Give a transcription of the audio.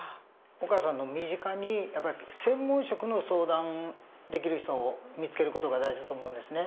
お母さんの身近に専門職の相談できる人を見つける事が大事だと思うんですね。